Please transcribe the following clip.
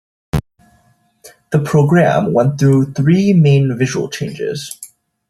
The programme went through three main visual changes.